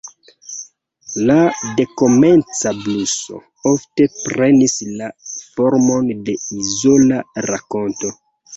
La dekomenca bluso ofte prenis la formon de izola rakonto.